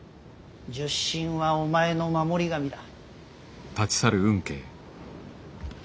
戌神はお前の守り神だ。